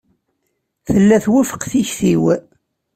Tella twufeq tikti-w.